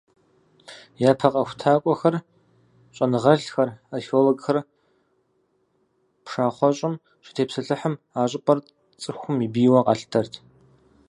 Япэ къэхутакӏуэхэр, щӏэныгъэлӏхэр, археологхэр пшахъуэщӏым щытепсэлъыхьым, а щӏыпӏэр цӏыхум и бийуэ къалъытэрт.